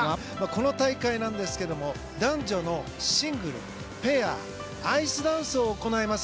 この大会ですが男女のシングル、ペア、アイスダンスを行います。